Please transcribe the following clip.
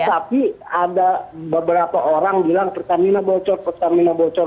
api belum ada tapi ada beberapa orang bilang pertamina bocor pertamina bocor